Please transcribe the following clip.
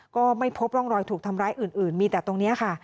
ก็ไม่พบร่องรอยถูกทำร้ายอื่นมีแต่ตรงนี้ค่ะ